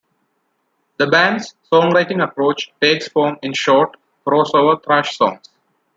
The band's songwriting approach takes form in short, crossover thrash songs.